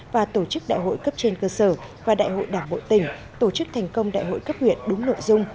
và tổ chức đại hội cấp trên cơ sở và đại hội đảng bộ tỉnh tổ chức thành công đại hội cấp huyện đúng nội dung